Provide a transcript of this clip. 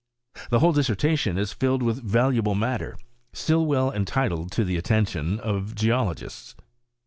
The whole dis sertation is HUed with valuable matter, stiU well entitled to the attention of geologists.